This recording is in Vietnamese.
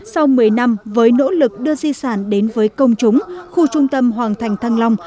sau một mươi năm với nỗ lực đưa di sản đến với công chúng khu trung tâm hoàng thành thăng long